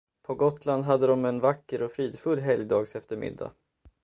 På Gotland hade de en vacker och fridfull helgdagseftermiddag.